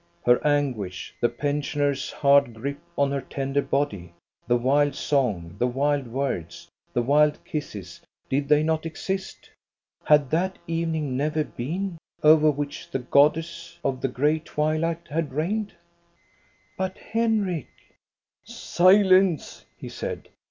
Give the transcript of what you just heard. Her anguish, the pensioner's hard grip on her tender body, the wild song, the wild words, the wild kisses, did they not exist? Had that evening never been, over which the goddess of the gray twilight had reigned ?" But, Henrik —"" Silence !" he said.